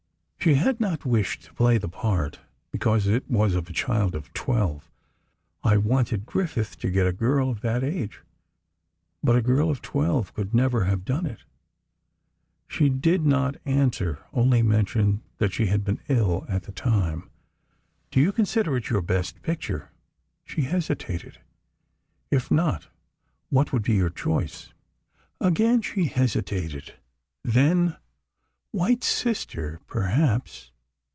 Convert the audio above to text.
She had not wished to play the part, because it was of a child of twelve. "I wanted Griffith to get a girl of that age." "But a girl of twelve could never have done it." She did not answer, only mentioned that she had been ill at the time. "Do you consider it your best picture?" She hesitated. "If not, what would be your choice?" Again she hesitated, then: "'White Sister,' perhaps."